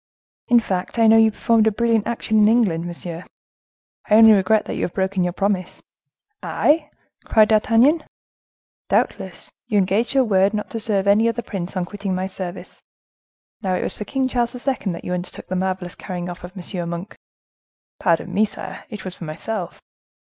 "In fact, I know you performed a brilliant action in England, monsieur. I only regret that you have broken your promise." "I!" cried D'Artagnan. "Doubtless. You engaged your word not to serve any other prince on quitting my service. Now it was for King Charles II. that you undertook the marvelous carrying off of M. Monk." "Pardon me, sire; it was for myself."